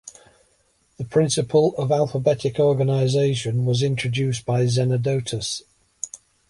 The principle of alphabetic organization was introduced by Zenodotus.